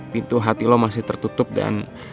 pintu hati lo masih tertutup dan